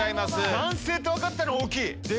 男性って分かったの大きい。